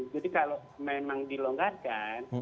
jadi kalau memang dilonggarkan